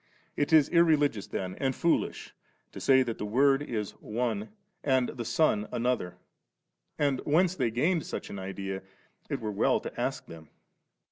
It is irreligious tiien and foolish to say that the Word is one and the Son another, and whence they gained such an idea it were well to ask them.